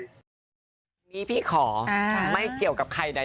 อันนี้พี่ขอไม่เกี่ยวกับใครใด